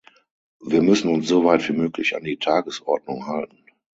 Wir müssen uns soweit wie möglich an die Tagesordnung halten.